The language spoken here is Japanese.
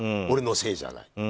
俺のせいじゃない。